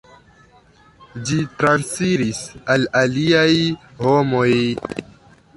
Ĝi transiris al aliaj homoj.